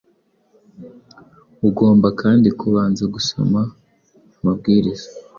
ugomba kandi kubanza gusoma amabwiriza